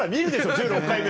１６回目も。